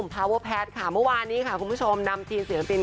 เมื่อวานนี้คุณผู้ชมนำทีมเสียงฟิน